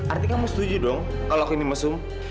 artinya kamu setuju dong kalau aku ini mesum